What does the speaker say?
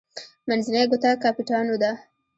منځنۍ ګوته کاپیټانو ده.